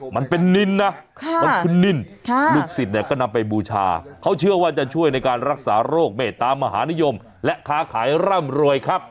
มันเป็นนินนะมันคือนินลูกศิษย์เนี่ยก็นำไปบูชาเขาเชื่อว่าจะช่วยในการรักษาโรคเมตตามหานิยมและค้าขายร่ำรวยครับ